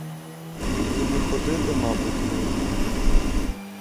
Він і ходити, мабуть, не вміє.